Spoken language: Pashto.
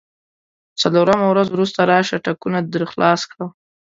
څلورمه ورځ وروسته راشه، ټکونه درخلاص کړم.